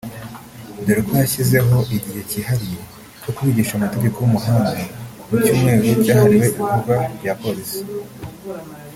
dore ko yashyizeho igihe kihariye cyo kubigisha amategeko y’umuhanda mu cyumweru cyahariwe ibikorwa bya Polisi